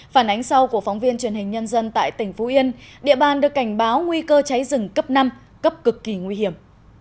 phản ánh sau của phóng viên truyền hình nhân dân tại tỉnh phú yên địa bàn được cảnh báo nguy cơ cháy rừng cấp năm cấp cực kỳ nguy hiểm